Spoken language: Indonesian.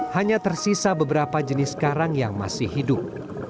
hanya tersisa beberapa jenis karang yang masih hidup